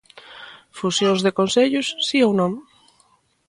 Fusións de concellos si ou non?